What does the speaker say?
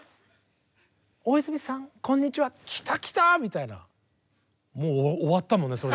「大泉さんこんにちは」きたきたみたいなもう終わったもんね